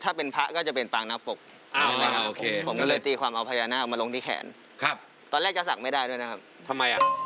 อันนั้นมีความหมายไหม